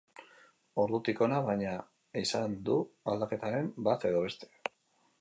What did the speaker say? Ordutik hona, baina, izan du aldaketaren bat edo beste.